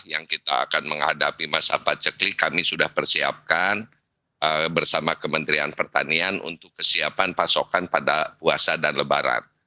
yang kita akan menghadapi masa paceklik kami sudah persiapkan bersama kementerian pertanian untuk kesiapan pasokan pada puasa dan lebaran